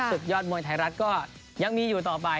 ศึกยอดมวยไทยรัฐก็ยังมีอยู่ต่อไป